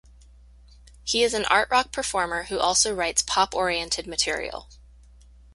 He is an art rock performer who also writes pop-oriented material.